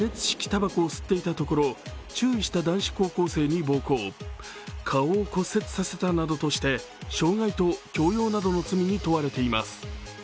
たばこを吸っていたところ注意した男子高校生に暴行顔を骨折させたなどとして傷害と強要などの罪に問われています。